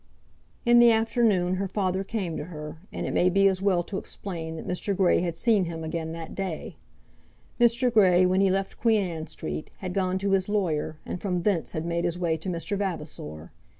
In the afternoon her father came to her, and it may be as well to explain that Mr. Grey had seen him again that day. Mr. Grey, when he left Queen Anne Street, had gone to his lawyer, and from thence had made his way to Mr. Vavasor.